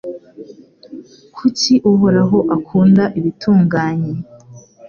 kuko Uhoraho akunda ibitunganye